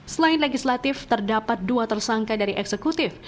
selain legislatif terdapat dua tersangka dari eksekutif